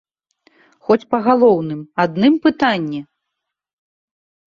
Хоць па галоўным, адным пытанні!